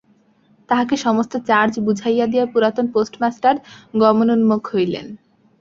তাহাকে সমস্ত চার্জ বুঝাইয়া দিয়া পুরাতন পোস্টমাস্টার গমনোন্মুখ হইলেন।